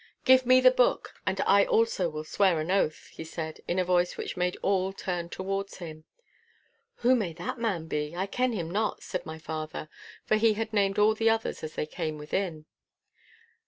'Give me the Book and I also will swear an oath!' he said, in a voice which made all turn towards him. 'Who may that man be? I ken him not,' said my father, for he had named all the others as they came within.